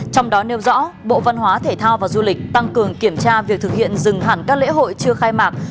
trong đó nêu rõ bộ văn hóa thể thao và du lịch tăng cường kiểm tra việc thực hiện dừng hẳn các lễ hội chưa khai mạc